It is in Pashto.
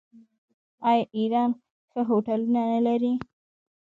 آیا ایران ښه هوټلونه نلري؟